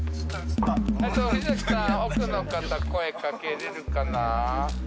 奥の方声掛けれるかな？